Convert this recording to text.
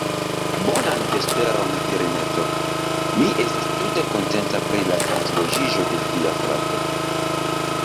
Bonan vesperon, virineto; mi estas tute kontenta pri la transloĝiĝo de via frato.